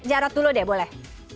jarod dulu deh boleh